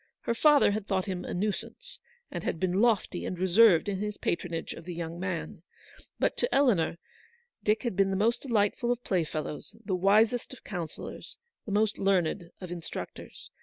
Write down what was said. Her father had thought him a nuisance, and had been lofty and reserved in his patronage of the young man ; but to Eleanor, Dick had been the most delightful of playfellows, the wisest of counsellors, the most learned of instructors.